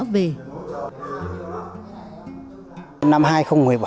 năm hai nghìn tôi đã trở thành một người thợ mò